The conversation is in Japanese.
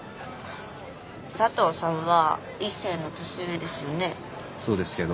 佐藤さんは一星の年上ですよね？